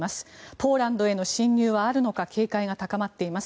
ポーランドへの侵入はあるのか警戒が高まっています。